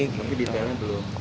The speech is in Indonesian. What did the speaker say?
tapi detailnya belum